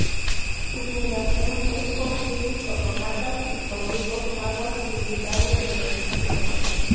Su fundación es por tribus Totonacas y por grupos Nahuas, tributarios de los mexicas.